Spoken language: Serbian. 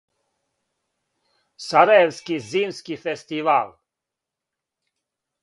Сарајевски зимски фестивал.